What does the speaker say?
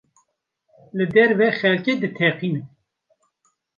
Li derve xelkê diteqînin.